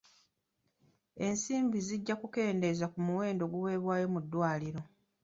Ensimbi zijja kukendeeza ku muwendo oguweebwayo mu ddwaliro.